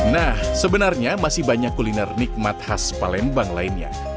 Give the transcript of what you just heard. nah sebenarnya masih banyak kuliner nikmat khas palembang lainnya